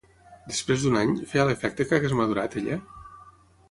Després d'un any, feia l'efecte que hagués madurat ella?